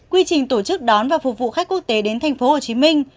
quy trình tổ chức đón và phục vụ khách quốc tế đến tp hcm